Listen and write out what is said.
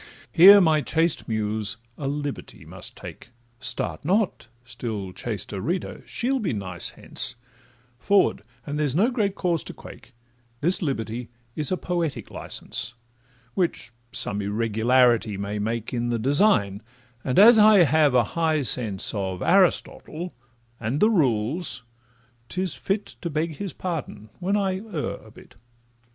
Here my chaste Muse a liberty must take— Start not! still chaster reader—she'll be nice hence— Forward, and there is no great cause to quake; This liberty is a poetic licence, Which some irregularity may make In the design, and as I have a high sense Of Aristotle and the Rules, 'tis fit To beg his pardon when I err a bit.